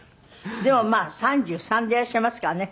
でもまあ３３でいらっしゃいますからね。